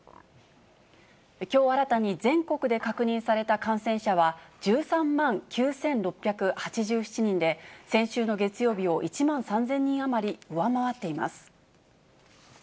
きょう新たに全国で確認された感染者は１３万９６８７人で、先週の月曜日を１万３０００人余り上回っています。